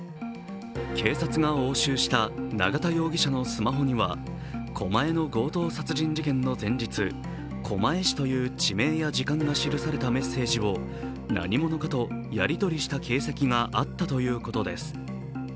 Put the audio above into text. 警察が押収した永田容疑者のスマホには狛江の強盗殺人事件の前日、狛江市という地名や時間が記されたメッセージを何者かとやりとりした形跡があったということです。